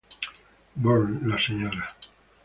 Burns, la Sra.